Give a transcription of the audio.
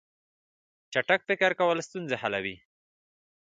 چټک فکر کول ستونزې حلوي.